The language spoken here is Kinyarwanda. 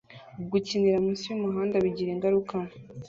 gukinira munsi yumuhanda bigira ingaruka